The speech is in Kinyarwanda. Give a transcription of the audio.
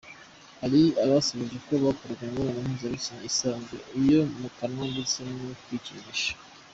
Hari abasubije ko bakoraga imibonano mpuzabitsina isanzwe, iyo mu kanwa ndetse no kwikinisha.